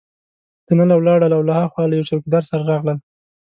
دننه ولاړل او له هاخوا له یوه چوکیدار سره راغلل.